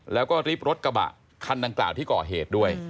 แล้วก็ริบรถกระบะคันดังกล่าวที่ก่อเหตุด้วย